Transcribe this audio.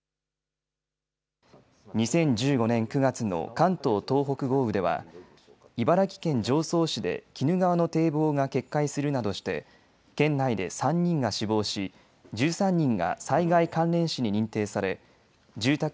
２０１５年９月の関東・東北豪雨では茨城県常総市で鬼怒川の堤防が決壊するなどして県内で３人が死亡し１３人が災害関連死に認定され住宅